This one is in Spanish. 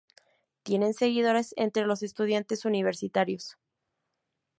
Tienen seguidores entre los estudiantes universitarios.